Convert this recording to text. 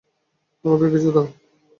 আমাকে কিছু দাও।